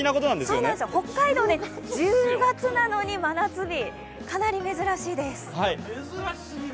北海道で１０月なのに真夏日、かなり珍しいです。